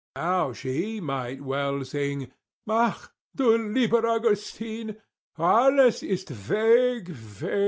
Now she might well sing, "Ach! du lieber Augustin, Alles ist weg, weg, weg!"